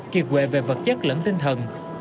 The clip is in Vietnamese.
kiệt quệ về vật chất lẫn tinh thần